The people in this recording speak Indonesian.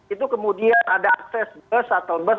itu kemudian ada akses bus atau bus